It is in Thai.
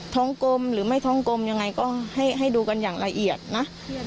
ท้องกลมหรือไม่ท้องกลมยังไงก็ให้ดูกันอย่างละเอียดนะ